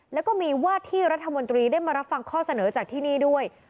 แล้วก็มีว่าที่รัฐมนตรีได้มารับฟังข้อเสนอจากที่นี่ด้วย